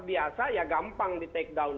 biasa ya gampang di take down